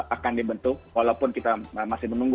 akan dibentuk walaupun kita masih menunggu